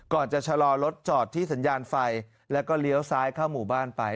จะชะลอรถจอดที่สัญญาณไฟแล้วก็เลี้ยวซ้ายเข้าหมู่บ้านไป